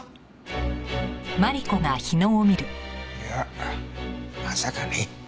いやまさかね。